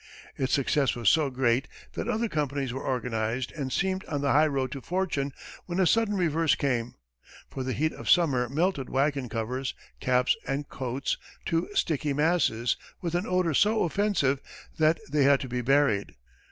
Its success was so great that other companies were organized and seemed on the highroad to fortune, when a sudden reverse came. For the heat of summer melted wagon covers, caps and coats to sticky masses with an odor so offensive that they had to be buried.